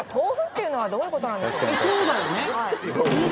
そうだよね。